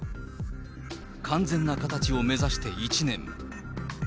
完全な形を目指して１年。